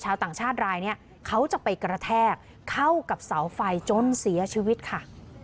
ต่างชาติรายนี้เขาจะไปกระแทกเข้ากับเสาไฟจนเสียชีวิตค่ะ